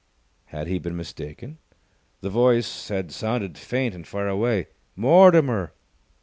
Had he been mistaken? The voice had sounded faint and far away. "Mortimer!"